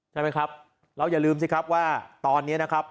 ใช่ไหมครับเราอย่าลืมสิครับว่าตอนนี้นะครับ